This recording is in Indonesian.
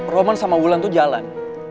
roman sama ulan tuh jalan